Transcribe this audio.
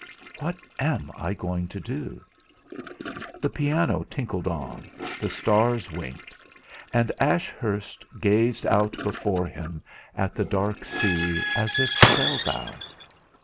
What am I going to do?' The piano tinkled on, the stars winked; and Ashurst gazed out before him at the dark sea, as if spell bound.